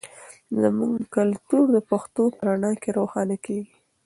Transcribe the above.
زموږ کلتور د پښتو په رڼا کې روښانه کیږي.